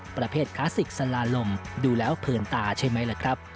ประเภทคลาสสิกสลาลมดูแล้วเพลินตาใช่ไหมล่ะครับ